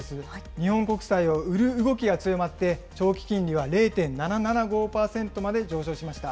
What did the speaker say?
日本国債を売る動きが強まって、長期金利は０．７７５％まで上昇しました。